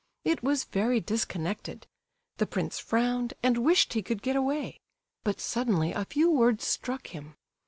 It was very disconnected; the prince frowned, and wished he could get away; but suddenly a few words struck him.